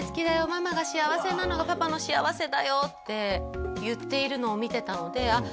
ママが幸せなのがパパの幸せだよって言っているのを見てたのであっ